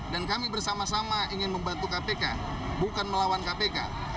dan kami bersama sama ingin membantu kpk bukan melawan kpk